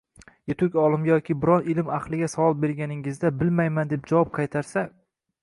Yetuk olimga yoki biron ilm ahliga savol berganingizda “Bilmayman”, deb javob qaytarsa